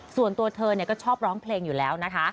ส่วนตัวเธอก็ชอบร้องเพลงอยู่แล้วนะคะ